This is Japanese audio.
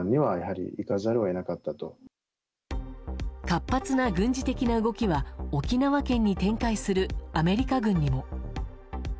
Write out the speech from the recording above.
活発な軍事的な動きは沖縄県に展開するアメリカ軍にも。